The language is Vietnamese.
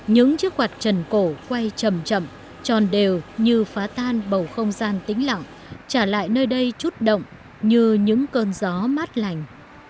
những chiếc quạt trần cổ quay chầm chậm tròn đều như phá tan bầu không gian tĩnh lặng trả lại nơi đây chút động như những cơn gió mát lành